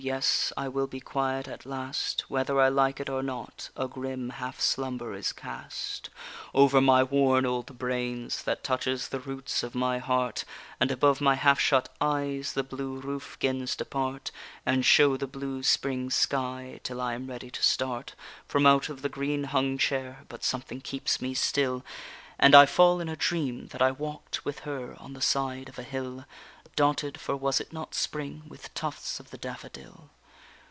Yes, I will be quiet at last: Whether I like it or not, a grim half slumber is cast Over my worn old brains, that touches the roots of my heart, And above my half shut eyes, the blue roof 'gins to part, And show the blue spring sky, till I am ready to start From out of the green hung chair; but something keeps me still, And I fall in a dream that I walk'd with her on the side of a hill, Dotted, for was it not spring? with tufts of the daffodil.